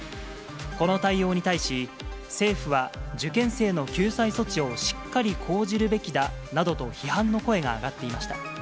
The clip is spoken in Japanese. この対応に対し、政府は受験生の救済措置をしっかり講じるべきだなどと批判の声が上がっていました。